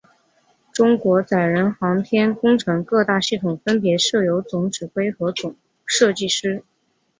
中国载人航天工程各大系统分别设有总指挥和总设计师。